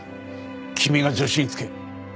君が助手につけ。